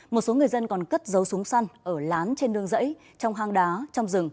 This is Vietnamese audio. một số người dân còn cất dấu súng săn ở lán trên đường dãy trong hang đá trong rừng